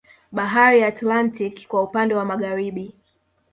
Bahari ya Atlantiki kwa upande wa Magharibi